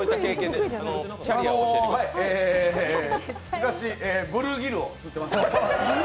昔、ブルーギルを釣ってました。